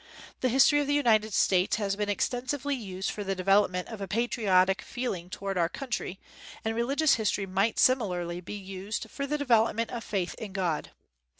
The history of the United States has been extensively used for the develop ment of a patriotic feeling toward our coun try, and religious history might similarly be used for the development of faith in God.